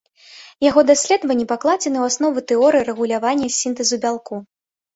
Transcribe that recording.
Яго даследванні пакладзены ў аснову тэорыі рэгулявання сінтэзу бялку.